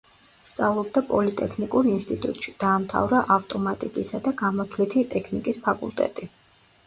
სწავლობდა პოლიტექნიკურ ინსტიტუტში, დაამთავრა ავტომატიკისა და გამოთვლითი ტექნიკის ფაკულტეტი.